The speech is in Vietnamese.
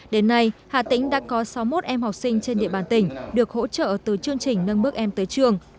đến nay hà tĩnh đã có sáu mươi một em học sinh trên địa bàn tỉnh được hỗ trợ từ chương trình nâng bước em tới trường